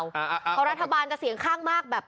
เพราะรัฐบาลจะเสียงข้างมากแบบ